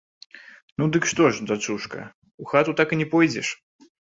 Ну, дык што ж, дачушка, у хату так і не пойдзеш?